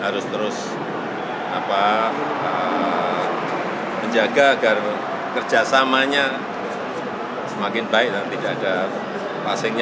harus terus menjaga agar kerjasamanya semakin baik dan tidak ada passingnya